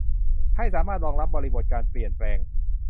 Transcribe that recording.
ให้สามารถรองรับบริบทการเปลี่ยนแปลง